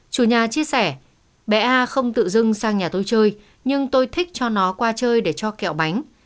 chủ nhà chia sẻ bé a không tự dưng sang nhà tôi chơi nhưng tôi thích cho nó qua chơi để cho kẹo bánh